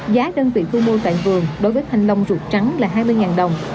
giá đơn vị thu mua tại vườn đối với thanh long ruột trắng là hai mươi đồng